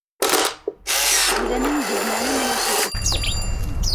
Үҙенең бизмәне менән эш итте.